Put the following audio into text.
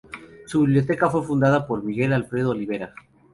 Su biblioteca fue fundada por Miguel Alfredo Olivera.